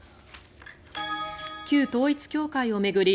旧統一教会を巡り